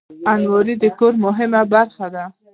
الماري د کور مهمه برخه ده